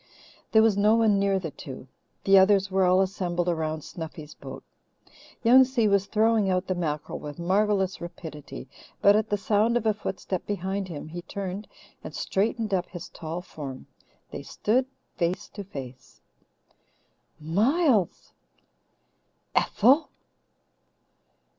There was no one near the two. The others were all assembled around Snuffy's boat. Young Si was throwing out the mackerel with marvellous rapidity, but at the sound of a footstep behind him he turned and straightened up his tall form. They stood face to face. "Miles!" "Ethel!"